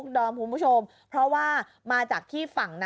ตอนต่อไป